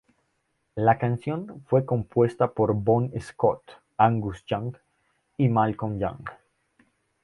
La canción fue compuesta por Bon Scott, Angus Young y Malcolm Young.